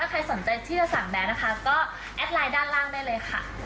ใครสนใจที่จะสั่งแนนนะคะก็แอดไลน์ด้านล่างได้เลยค่ะ